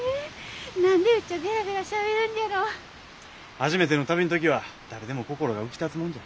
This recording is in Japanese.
初めての旅の時は誰でも心が浮きたつもんじゃ。